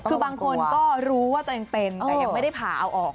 คือบางคนก็รู้ว่าตัวเองเป็นแต่ยังไม่ได้ผ่าเอาออก